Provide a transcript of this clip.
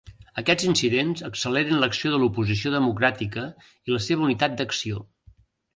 Aquests incidents acceleren l'acció de l'oposició democràtica, i la seva unitat d'acció.